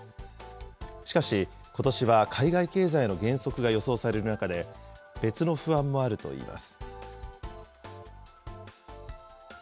しかし、ことしは海外経済の減速が予想される中で、別の不安もあるといいます。